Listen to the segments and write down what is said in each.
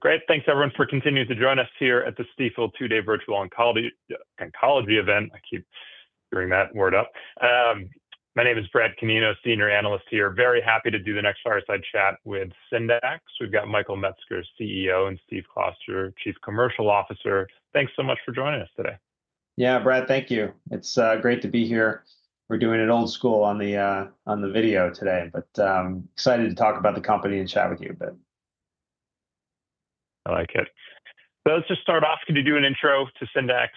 Great. Thanks, everyone, for continuing to join us here at the Stifel two-day virtual oncology event. I keep hearing that word up. My name is Brad Canino, Senior Analyst here. Very happy to do the next fireside chat with Syndax. We've got Michael Metzger, CEO, and Steve Kloster, Chief Commercial Officer. Thanks so much for joining us today. Yeah, Brad, thank you. It's great to be here. We're doing it old school on the video today, but excited to talk about the company and chat with you a bit. I like it. Let's just start off. Could you do an intro to Syndax,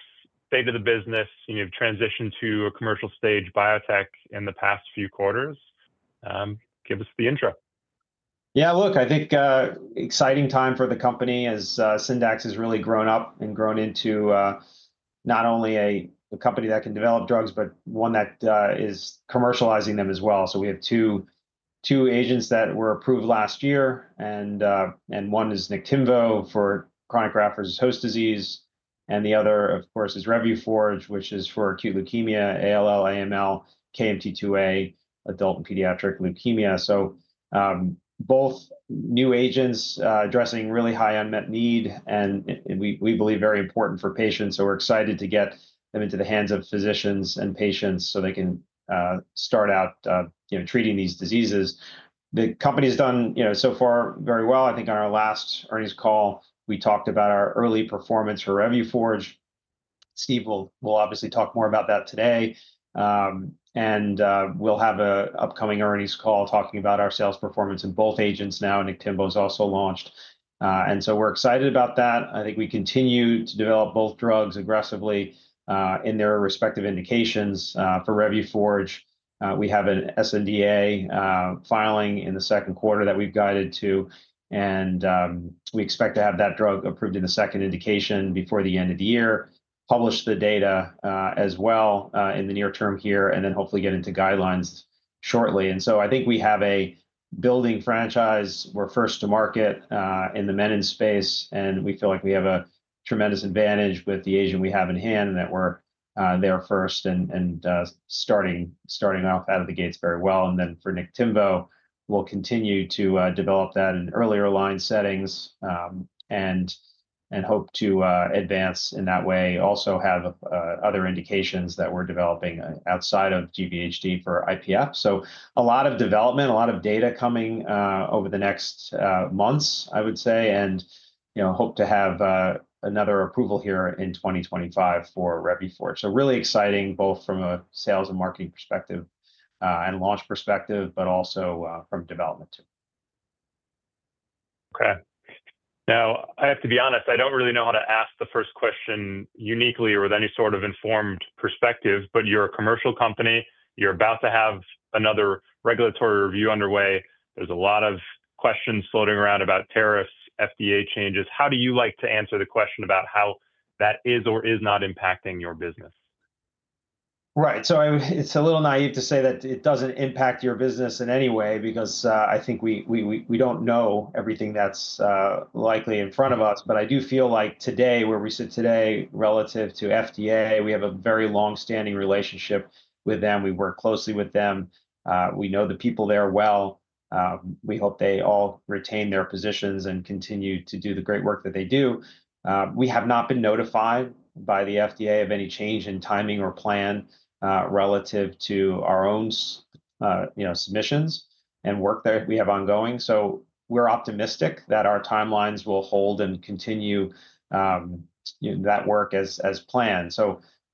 state of the business, and you've transitioned to a commercial stage biotech in the past few quarters? Give us the intro. Yeah, look, I think exciting time for the company as Syndax has really grown up and grown into not only a company that can develop drugs, but one that is commercializing them as well. We have two agents that were approved last year, and one is Niktimvo for chronic graft-versus-host disease, and the other, of course, is Revuforj, which is for acute leukemia, ALL, AML, KMT2A, adult and pediatric leukemia. Both new agents addressing really high unmet need, and we believe very important for patients. We are excited to get them into the hands of physicians and patients so they can start out treating these diseases. The company has done so far very well. I think on our last earnings call, we talked about our early performance for Revuforj. Steve will obviously talk more about that today. We will have an upcoming earnings call talking about our sales performance in both agents now. Niktimvo is also launched. We are excited about that. I think we continue to develop both drugs aggressively in their respective indications. For Revuforj, we have an sNDA filing in the second quarter that we have guided to, and we expect to have that drug approved in the second indication before the end of the year, publish the data as well in the near term here, and then hopefully get into guidelines shortly. I think we have a building franchise. We are first to market in the menin space, and we feel like we have a tremendous advantage with the agent we have in hand and that we are there first and starting off out of the gates very well. For Niktimvo, we'll continue to develop that in earlier line settings and hope to advance in that way. We also have other indications that we're developing outside of GVHD for IPF. A lot of development, a lot of data coming over the next months, I would say, and hope to have another approval here in 2025 for Revuforj. Really exciting both from a sales and marketing perspective and launch perspective, but also from development too. Okay. Now, I have to be honest, I don't really know how to ask the first question uniquely or with any sort of informed perspective, but you're a commercial company. You're about to have another regulatory review underway. There's a lot of questions floating around about tariffs, FDA changes. How do you like to answer the question about how that is or is not impacting your business? Right. It's a little naive to say that it doesn't impact your business in any way because I think we don't know everything that's likely in front of us. I do feel like today, where we sit today relative to FDA, we have a very long-standing relationship with them. We work closely with them. We know the people there well. We hope they all retain their positions and continue to do the great work that they do. We have not been notified by the FDA of any change in timing or plan relative to our own submissions and work that we have ongoing. We're optimistic that our timelines will hold and continue that work as planned.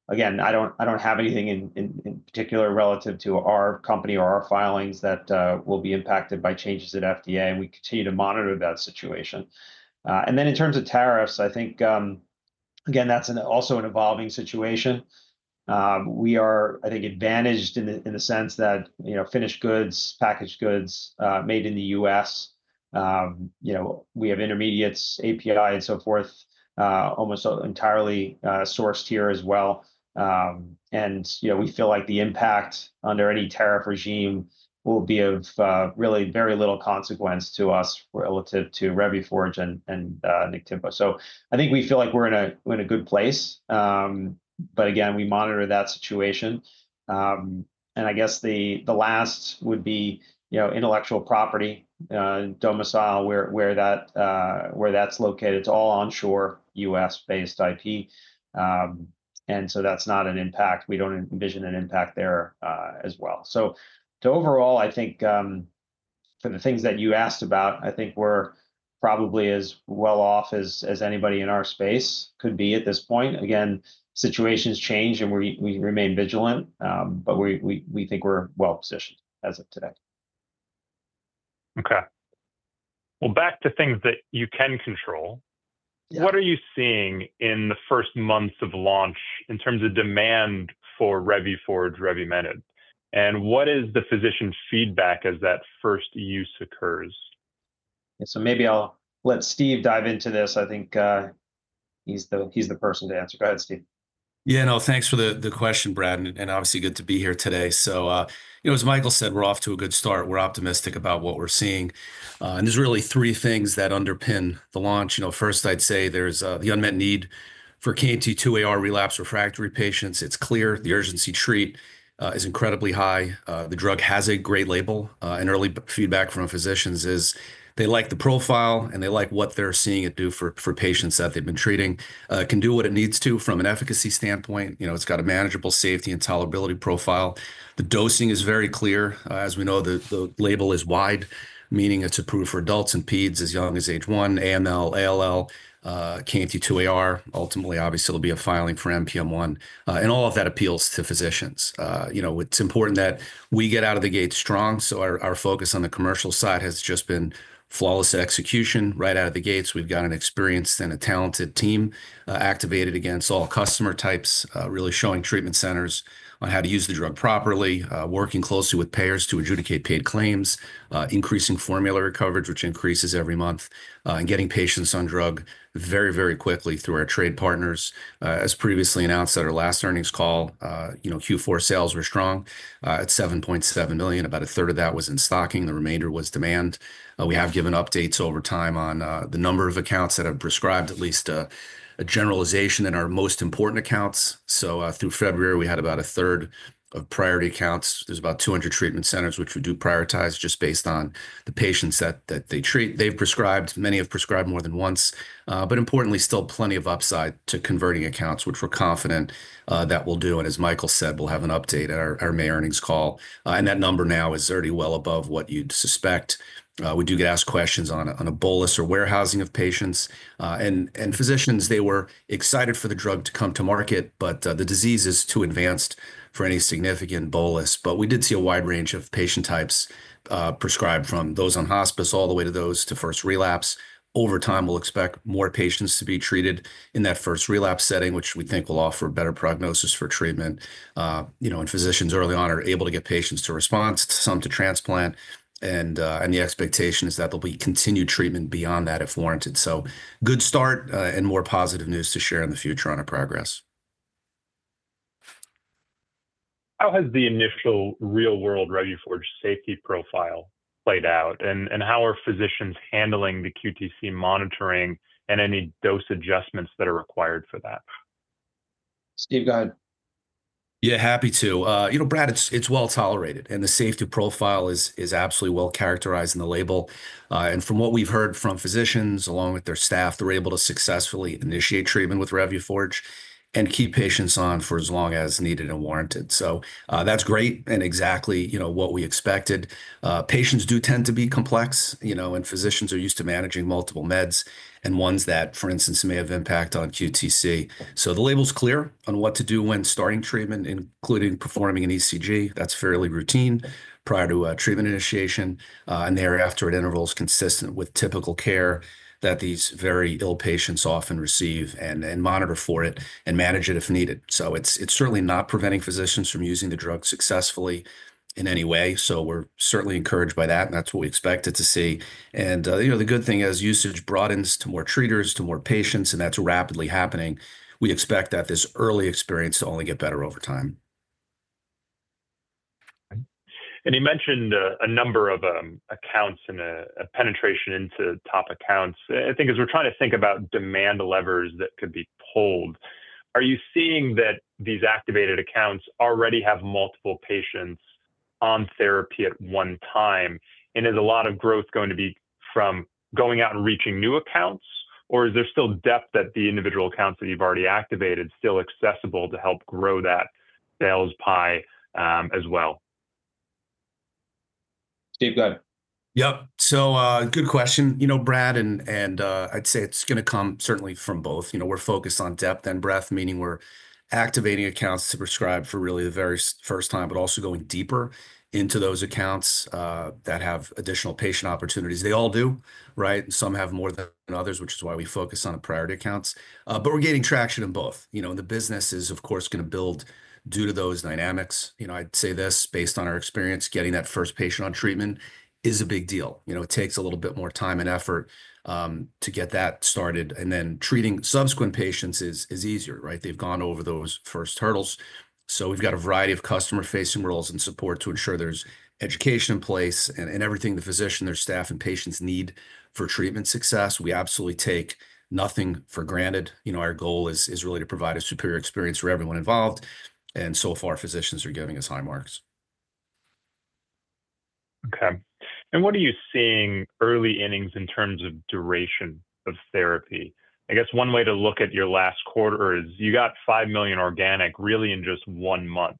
I don't have anything in particular relative to our company or our filings that will be impacted by changes at FDA, and we continue to monitor that situation. In terms of tariffs, I think, again, that's also an evolving situation. We are, I think, advantaged in the sense that finished goods, packaged goods made in the US, we have intermediates, API, and so forth, almost entirely sourced here as well. We feel like the impact under any tariff regime will be of really very little consequence to us relative to Revuforj and Niktimvo. I think we feel like we're in a good place. Again, we monitor that situation. I guess the last would be intellectual property, domicile, where that's located. It's all onshore US-based IP, and so that's not an impact. We don't envision an impact there as well. Overall, I think for the things that you asked about, I think we're probably as well off as anybody in our space could be at this point. Again, situations change and we remain vigilant, but we think we're well positioned as of today. Okay. Back to things that you can control. What are you seeing in the first months of launch in terms of demand for Revuforj, revumenib? And what is the physician feedback as that first use occurs? Maybe I'll let Steve dive into this. I think he's the person to answer. Go ahead, Steve. Yeah, no, thanks for the question, Brad. Obviously, good to be here today. As Michael said, we're off to a good start. We're optimistic about what we're seeing. There's really three things that underpin the launch. First, I'd say there's the unmet need for KMT2A relapse refractory patients. It's clear the urgency to treat is incredibly high. The drug has a great label. Early feedback from physicians is they like the profile and they like what they're seeing it do for patients that they've been treating. It can do what it needs to from an efficacy standpoint. It's got a manageable safety and tolerability profile. The dosing is very clear. As we know, the label is wide, meaning it's approved for adults and peds as young as age one, AML, ALL, KMT2A. Ultimately, obviously, there'll be a filing for NPM1. All of that appeals to physicians. It's important that we get out of the gate strong. Our focus on the commercial side has just been flawless execution right out of the gates. We've got an experienced and a talented team activated against all customer types, really showing treatment centers on how to use the drug properly, working closely with payers to adjudicate paid claims, increasing formulary coverage, which increases every month, and getting patients on drug very, very quickly through our trade partners. As previously announced at our last earnings call, Q4 sales were strong at $7.7 million. About a third of that was in stocking. The remainder was demand. We have given updates over time on the number of accounts that have prescribed at least a generalization in our most important accounts. Through February, we had about a third of priority accounts. There's about 200 treatment centers, which we do prioritize just based on the patients that they treat. They've prescribed, many have prescribed more than once. Importantly, still plenty of upside to converting accounts, which we're confident that will do. As Michael said, we'll have an update at our May earnings call. That number now is already well above what you'd suspect. We do get asked questions on a bolus or warehousing of patients. Physicians, they were excited for the drug to come to market, but the disease is too advanced for any significant bolus. We did see a wide range of patient types prescribed from those on hospice all the way to those to first relapse. Over time, we'll expect more patients to be treated in that first relapse setting, which we think will offer a better prognosis for treatment. Physicians early on are able to get patients to respond to some to transplant. The expectation is that there'll be continued treatment beyond that if warranted. Good start and more positive news to share in the future on our progress. How has the initial real-world Revuforj safety profile played out? How are physicians handling the QTc monitoring and any dose adjustments that are required for that? Steve, go ahead. Yeah, happy to. You know, Brad, it's well tolerated. The safety profile is absolutely well characterized in the label. From what we've heard from physicians along with their staff, they're able to successfully initiate treatment with Revuforj and keep patients on for as long as needed and warranted. That's great and exactly what we expected. Patients do tend to be complex, and physicians are used to managing multiple meds and ones that, for instance, may have impact on QTc. The label's clear on what to do when starting treatment, including performing an ECG. That's fairly routine prior to treatment initiation. Thereafter, at intervals consistent with typical care that these very ill patients often receive, they monitor for it and manage it if needed. It's certainly not preventing physicians from using the drug successfully in any way. We're certainly encouraged by that, and that's what we expected to see. The good thing is usage broadens to more treaters, to more patients, and that's rapidly happening. We expect that this early experience to only get better over time. You mentioned a number of accounts and a penetration into top accounts. I think as we're trying to think about demand levers that could be pulled, are you seeing that these activated accounts already have multiple patients on therapy at one time? Is a lot of growth going to be from going out and reaching new accounts, or is there still depth at the individual accounts that you've already activated still accessible to help grow that sales pie as well? Steve, go ahead. Yep. Good question, Brad. I'd say it's going to come certainly from both. We're focused on depth and breadth, meaning we're activating accounts to prescribe for really the very first time, but also going deeper into those accounts that have additional patient opportunities. They all do, right? Some have more than others, which is why we focus on the priority accounts. We're gaining traction in both. The business is, of course, going to build due to those dynamics. I'd say this: based on our experience, getting that first patient on treatment is a big deal. It takes a little bit more time and effort to get that started. Then treating subsequent patients is easier, right? They've gone over those first hurdles. We've got a variety of customer-facing roles and support to ensure there's education in place and everything the physician, their staff, and patients need for treatment success. We absolutely take nothing for granted. Our goal is really to provide a superior experience for everyone involved. So far, physicians are giving us high marks. Okay. What are you seeing early innings in terms of duration of therapy? I guess one way to look at your last quarter is you got $5 million organic really in just one month.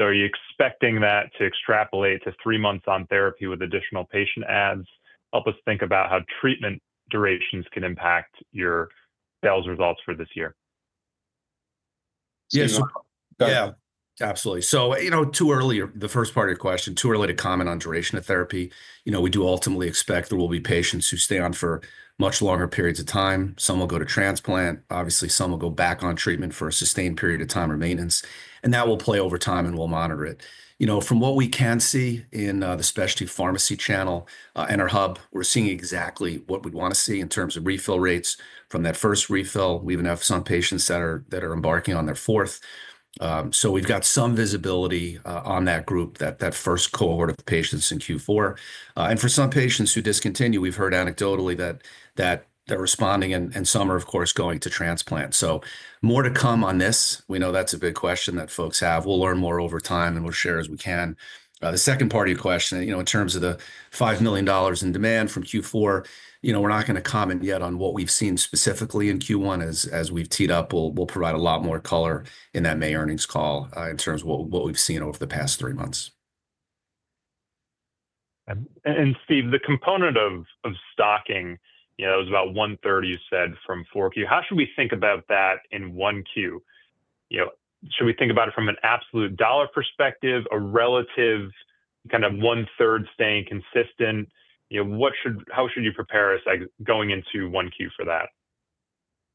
Are you expecting that to extrapolate to three months on therapy with additional patient adds? Help us think about how treatment durations can impact your sales results for this year. Yeah, absolutely. Too early, the first part of your question, too early to comment on duration of therapy. We do ultimately expect there will be patients who stay on for much longer periods of time. Some will go to transplant. Obviously, some will go back on treatment for a sustained period of time or maintenance. That will play over time and we'll monitor it. From what we can see in the specialty pharmacy channel and our hub, we're seeing exactly what we'd want to see in terms of refill rates from that first refill. We even have some patients that are embarking on their fourth. We've got some visibility on that group, that first cohort of patients in Q4. For some patients who discontinue, we've heard anecdotally that they're responding and some are, of course, going to transplant. More to come on this. We know that's a big question that folks have. We'll learn more over time and we'll share as we can. The second part of your question, in terms of the $5 million in demand from Q4, we're not going to comment yet on what we've seen specifically in Q1 as we've teed up. We'll provide a lot more color in that May earnings call in terms of what we've seen over the past three months. Steve, the component of stocking was about one-third, you said, from Q4. How should we think about that in 1Q? Should we think about it from an absolute dollar perspective, a relative kind of one-third staying consistent? How should you prepare us going into Q1 for that?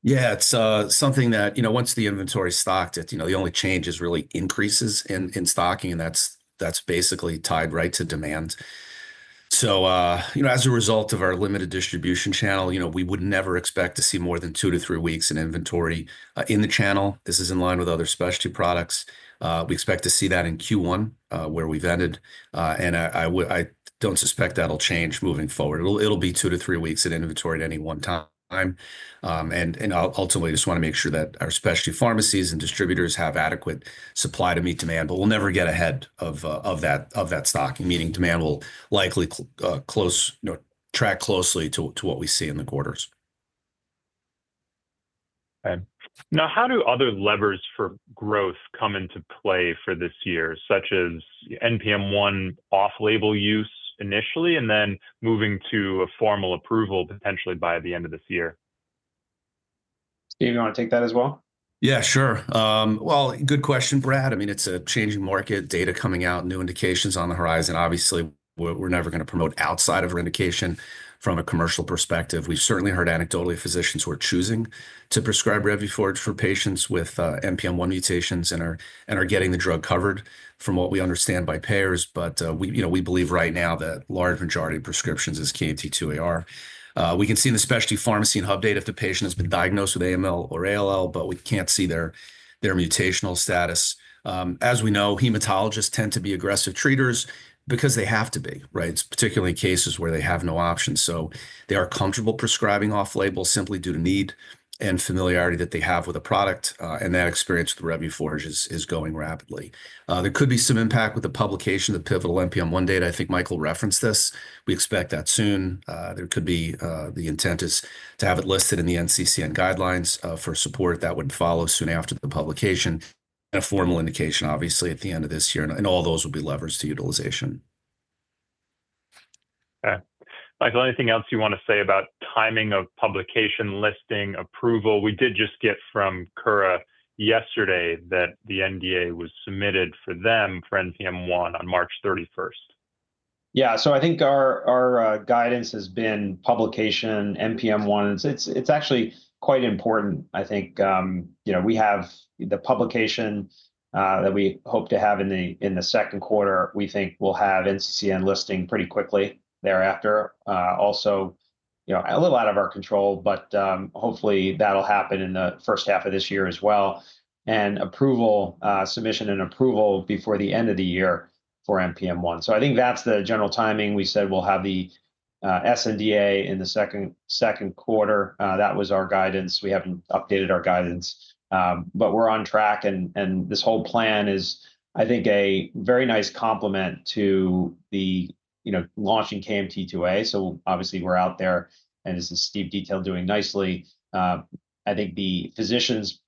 Yeah, it's something that once the inventory stocked, the only change is really increases in stocking, and that's basically tied right to demand. As a result of our limited distribution channel, we would never expect to see more than two to three weeks in inventory in the channel. This is in line with other specialty products. We expect to see that in Q1 where we've ended. I don't suspect that'll change moving forward. It'll be two to three weeks in inventory at any one time. Ultimately, I just want to make sure that our specialty pharmacies and distributors have adequate supply to meet demand. We'll never get ahead of that stocking, meaning demand will likely track closely to what we see in the quarters. Now, how do other levers for growth come into play for this year, such as NPM1 off-label use initially and then moving to a formal approval potentially by the end of this year? Steve, you want to take that as well? Yeah, sure. Good question, Brad. I mean, it's a changing market, data coming out, new indications on the horizon. Obviously, we're never going to promote outside of our indication from a commercial perspective. We've certainly heard anecdotally physicians who are choosing to prescribe Revuforj for patients with NPM1 mutations and are getting the drug covered from what we understand by payers. We believe right now the large majority of prescriptions is KMT2A. We can see in the specialty pharmacy and hub data if the patient has been diagnosed with AML or ALL, but we can't see their mutational status. As we know, hematologists tend to be aggressive treaters because they have to be, right? It's particularly in cases where they have no options. They are comfortable prescribing off-label simply due to need and familiarity that they have with a product. That experience with Revuforj is going rapidly. There could be some impact with the publication of the pivotal NPM1 data. I think Michael referenced this. We expect that soon. There could be the intent is to have it listed in the NCCN guidelines for support that would follow soon after the publication and a formal indication, obviously, at the end of this year. All those will be levers to utilization. Okay. Michael, anything else you want to say about timing of publication, listing, approval? We did just get from Kura yesterday that the NDA was submitted for them for NPM1 on March 31. Yeah. I think our guidance has been publication, NPM1. It's actually quite important. I think we have the publication that we hope to have in the second quarter. We think we'll have NCCN listing pretty quickly thereafter. Also, a little out of our control, but hopefully that'll happen in the first half of this year as well. Submission and approval before the end of the year for NPM1. I think that's the general timing. We said we'll have the sNDA in the second quarter. That was our guidance. We haven't updated our guidance, but we're on track. This whole plan is, I think, a very nice complement to the launching KMT2A. Obviously, we're out there, and this is Steve detailed doing nicely. I think the physicians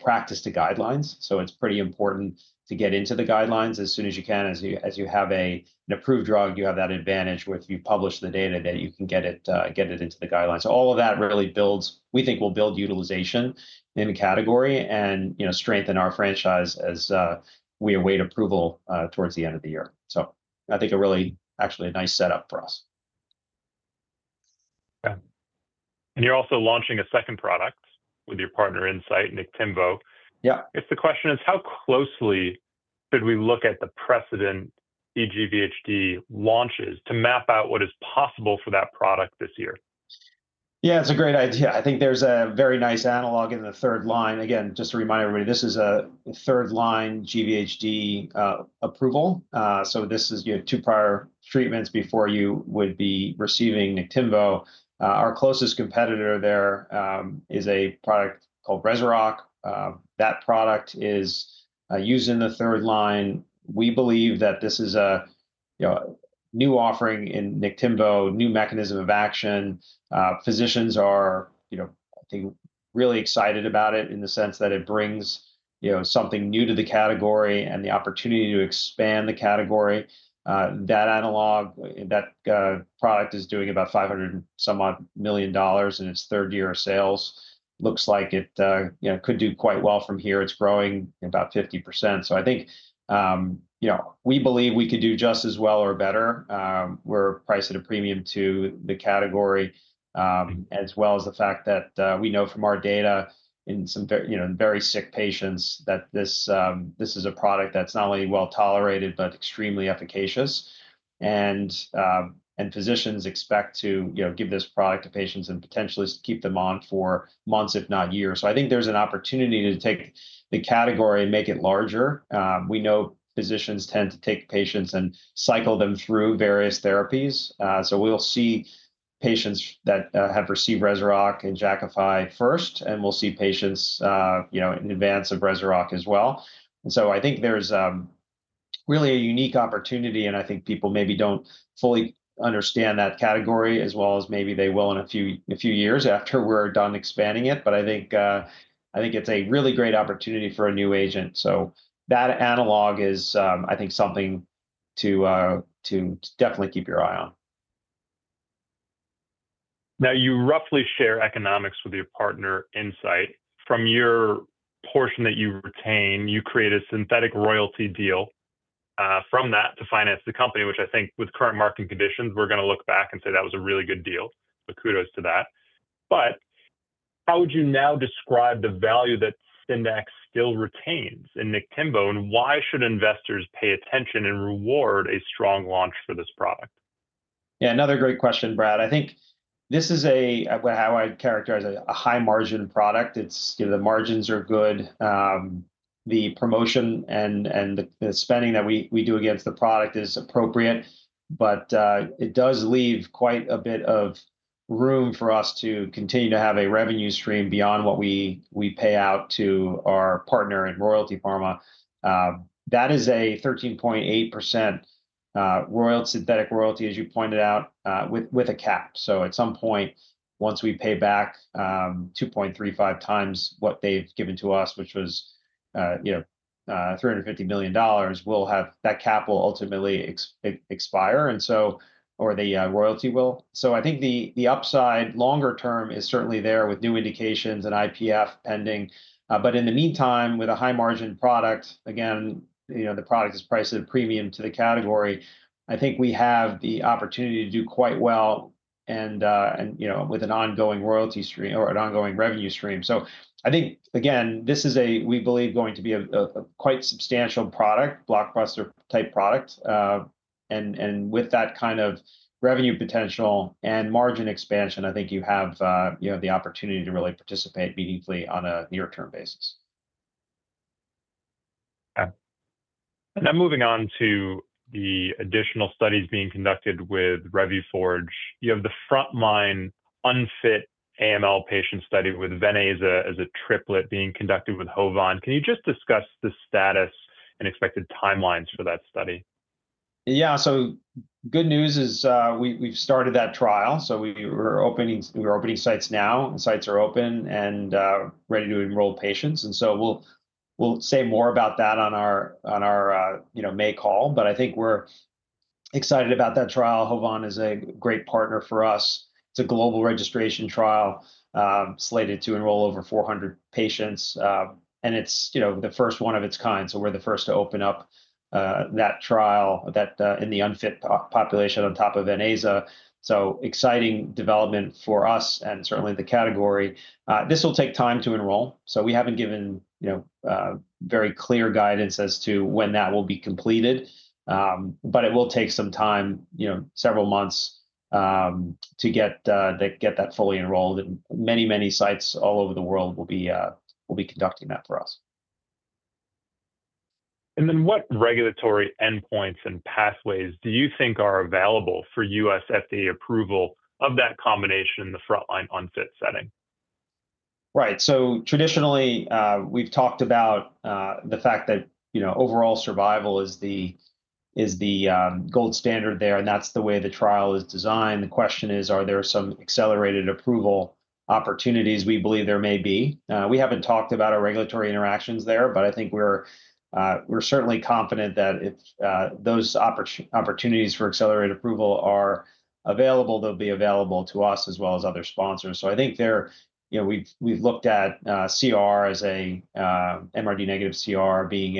practice the guidelines. It's pretty important to get into the guidelines as soon as you can. As you have an approved drug, you have that advantage where if you publish the data, then you can get it into the guidelines. All of that really builds, we think will build utilization in the category and strengthen our franchise as we await approval towards the end of the year. I think a really actually a nice setup for us. Okay. You are also launching a second product with your partner Incyte, Niktimvo. Yeah. If the question is, how closely should we look at the precedent cGVHD launches to map out what is possible for that product this year? Yeah, it's a great idea. I think there's a very nice analog in the third line. Again, just to remind everybody, this is a third-line GVHD approval. This is two prior treatments before you would be receiving Niktimvo. Our closest competitor there is a product called Rezurock. That product is used in the third line. We believe that this is a new offering in Niktimvo, new mechanism of action. Physicians are, I think, really excited about it in the sense that it brings something new to the category and the opportunity to expand the category. That analog, that product is doing about $500 million in its third year of sales. Looks like it could do quite well from here. It's growing about 50%. I think we believe we could do just as well or better. We're priced at a premium to the category, as well as the fact that we know from our data in some very sick patients that this is a product that's not only well tolerated, but extremely efficacious. Physicians expect to give this product to patients and potentially keep them on for months, if not years. I think there's an opportunity to take the category and make it larger. We know physicians tend to take patients and cycle them through various therapies. We'll see patients that have received Rezurock and Jakafi first, and we'll see patients in advance of Rezurock as well. I think there's really a unique opportunity, and I think people maybe don't fully understand that category as well as maybe they will in a few years after we're done expanding it. I think it's a really great opportunity for a new agent. That analog is, I think, something to definitely keep your eye on. Now, you roughly share economics with your partner Incyte. From your portion that you retain, you create a synthetic royalty deal from that to finance the company, which I think with current market conditions, we're going to look back and say that was a really good deal. Kudos to that. How would you now describe the value that Syndax still retains in Niktimvo, and why should investors pay attention and reward a strong launch for this product? Yeah, another great question, Brad. I think this is how I'd characterize a high-margin product. The margins are good. The promotion and the spending that we do against the product is appropriate, but it does leave quite a bit of room for us to continue to have a revenue stream beyond what we pay out to our partner in Royalty Pharma. That is a 13.8% synthetic royalty, as you pointed out, with a cap. At some point, once we pay back 2.35 times what they've given to us, which was $350 million, that cap will ultimately expire, or the royalty will. I think the upside longer term is certainly there with new indications and IPF pending. In the meantime, with a high-margin product, again, the product is priced at a premium to the category. I think we have the opportunity to do quite well with an ongoing royalty stream or an ongoing revenue stream. I think, again, this is a, we believe, going to be a quite substantial product, blockbuster-type product. With that kind of revenue potential and margin expansion, I think you have the opportunity to really participate meaningfully on a near-term basis. Okay. Now moving on to the additional studies being conducted with Revuforj, you have the frontline unfit AML patient study with Venclexta as a triplet being conducted with HOVON. Can you just discuss the status and expected timelines for that study? Yeah. Good news is we've started that trial. We're opening sites now, and sites are open and ready to enroll patients. We'll say more about that on our May call. I think we're excited about that trial. HOVON is a great partner for us. It's a global registration trial slated to enroll over 400 patients. It's the first one of its kind. We're the first to open up that trial in the unfit population on top of Venclexta. Exciting development for us and certainly the category. This will take time to enroll. We haven't given very clear guidance as to when that will be completed. It will take some time, several months to get that fully enrolled. Many, many sites all over the world will be conducting that for us. What regulatory endpoints and pathways do you think are available for US FDA approval of that combination in the frontline unfit setting? Right. Traditionally, we've talked about the fact that overall survival is the gold standard there, and that's the way the trial is designed. The question is, are there some accelerated approval opportunities? We believe there may be. We haven't talked about our regulatory interactions there, but I think we're certainly confident that if those opportunities for accelerated approval are available, they'll be available to us as well as other sponsors. I think we've looked at CR as an MRD-negative CR being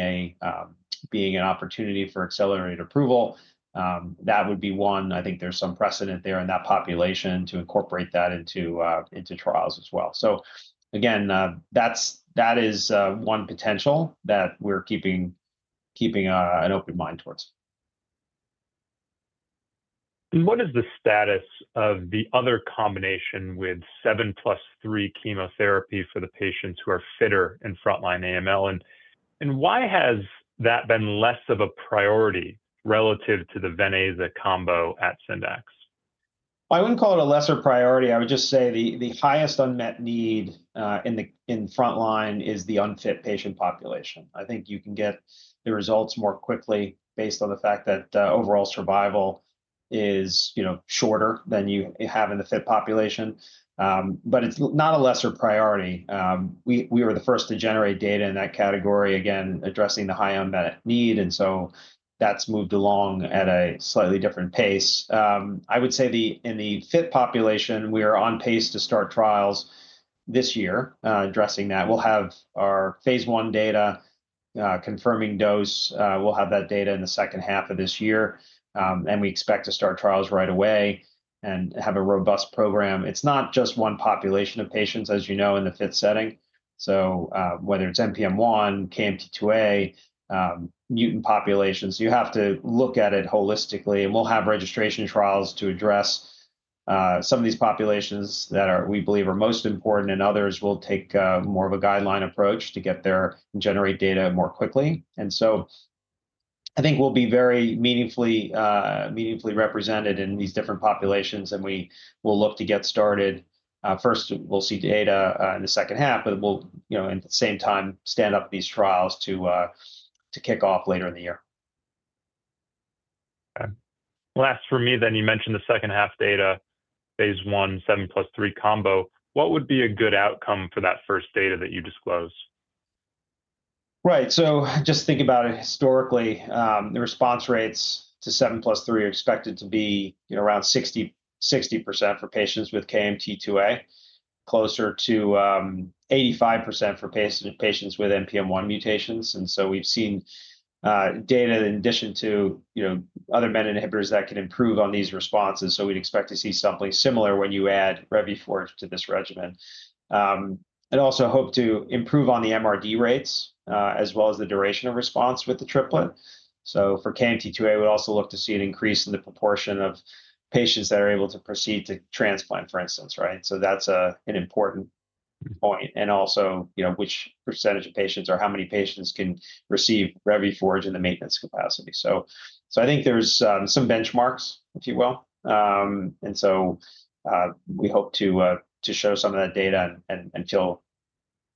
an opportunity for accelerated approval. That would be one. I think there's some precedent there in that population to incorporate that into trials as well. That is one potential that we're keeping an open mind towards. What is the status of the other combination with 7+3 chemotherapy for the patients who are fitter in frontline AML? Why has that been less of a priority relative to the Venclexta combo at Syndax? I wouldn't call it a lesser priority. I would just say the highest unmet need in frontline is the unfit patient population. I think you can get the results more quickly based on the fact that overall survival is shorter than you have in the fit population. It's not a lesser priority. We were the first to generate data in that category, again, addressing the high unmet need. That has moved along at a slightly different pace. I would say in the fit population, we are on pace to start trials this year, addressing that. We'll have our phase one data confirming dose. We'll have that data in the second half of this year. We expect to start trials right away and have a robust program. It's not just one population of patients, as you know, in the fit setting. Whether it's NPM1, KMT2A, mutant populations, you have to look at it holistically. We'll have registration trials to address some of these populations that we believe are most important, and others will take more of a guideline approach to generate data more quickly. I think we'll be very meaningfully represented in these different populations. We will look to get started. First, we'll see data in the second half, but we'll, at the same time, stand up these trials to kick off later in the year. Okay. Last for me then, you mentioned the second half data, phase I, 7+3 combo. What would be a good outcome for that first data that you disclose? Right. Just think about it historically. The response rates to 7+3 are expected to be around 60% for patients with KMT2A, closer to 85% for patients with NPM1 mutations. We've seen data in addition to other meta-inhibitors that can improve on these responses. We'd expect to see something similar when you add Revuforj to this regimen. We also hope to improve on the MRD rates as well as the duration of response with the triplet. For KMT2A, we'd also look to see an increase in the proportion of patients that are able to proceed to transplant, for instance, right? That's an important point. Also, which percentage of patients or how many patients can receive Revuforj in the maintenance capacity. I think there's some benchmarks, if you will. We hope to show some of that data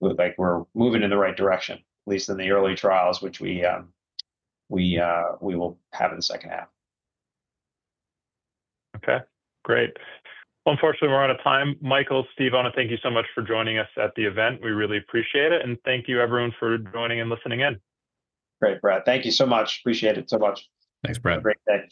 until we're moving in the right direction, at least in the early trials, which we will have in the second half. Okay. Great. Unfortunately, we're out of time. Michael, Steve Kloster, thank you so much for joining us at the event. We really appreciate it. Thank you, everyone, for joining and listening in. Great, Brad. Thank you so much. Appreciate it so much. Thanks, Brad. Great day.